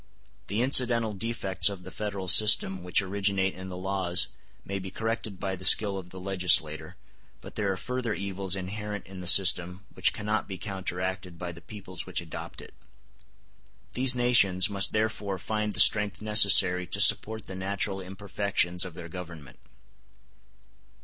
The incidental defects of the Federal system which originate in the laws may be corrected by the skill of the legislator, but there are further evils inherent in the system which cannot be counteracted by the peoples which adopt it. These nations must therefore find the strength necessary to support the natural imperfections of their Government.